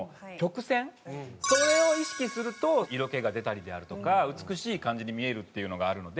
それを意識すると色気が出たりであるとか美しい感じに見えるっていうのがあるので。